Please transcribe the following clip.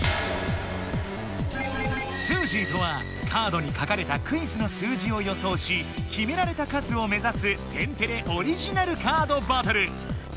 「スージー」とはカードに書かれたクイズの数字を予想しきめられた数をめざす天てれオリジナルカードバトル！